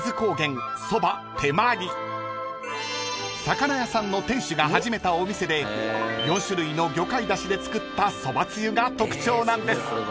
［魚屋さんの店主が始めたお店で４種類の魚介だしで作ったそばつゆが特徴なんです］